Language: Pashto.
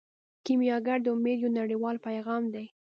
کیمیاګر د امید یو نړیوال پیغام دی.